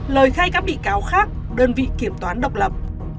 lời khai các bị cáo khác đơn vị kiểm toán độc lập